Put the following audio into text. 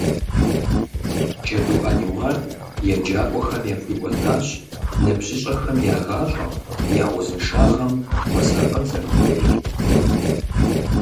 Джэду Ӏэниуар еджакӏуэхэм яхуиӀуэтащ ныбжьыщӀэхэм я гъащӀэм, я узыншагъэм хуэсакъын зэрыхуейр.